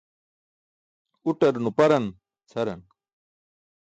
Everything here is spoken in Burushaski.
Uṭar nuparan cʰaran.